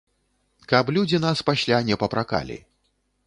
Каб людзі нас пасля не папракалі.